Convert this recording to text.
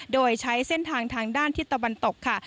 โดยใช้เส้นทางทางด้านทิศตะวันตกค่ะ